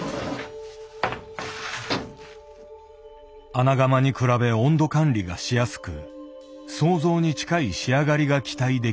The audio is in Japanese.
穴窯に比べ温度管理がしやすく想像に近い仕上がりが期待できる。